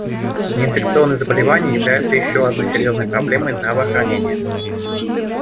Неинфекционные заболевания являются еще одной серьезной проблемой здравоохранения.